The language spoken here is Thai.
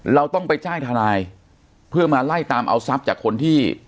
เราต้องไปจ้างทนายเพื่อมาไล่ตามเอาทรัพย์จากคนที่